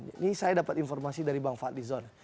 ini saya dapat informasi dari bang fadli zon